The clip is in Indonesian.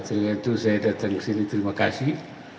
setelah itu saya datang ke sini terima kasih